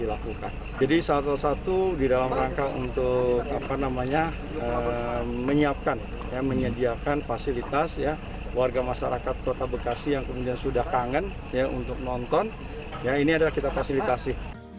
ini adalah kita fasilitasi